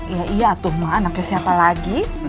ya iya atuh mak anaknya siapa lagi